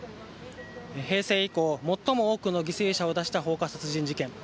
平成以降、最も多くの犠牲者を出した放火殺人事件。